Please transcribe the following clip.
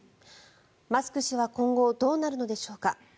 マスク氏は今後、どうなるのでしょうか。